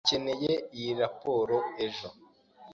Dukeneye iyi raporo ejo.